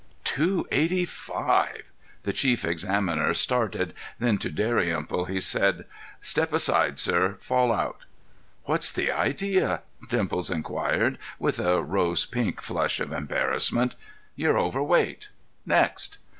"'Two eighty five!'" The chief examiner started, then to Dalrymple he said: "Step aside, sir. Fall out." "What's the idea?" Dimples inquired, with a rose pink flush of embarrassment. "You're overweight. Next!"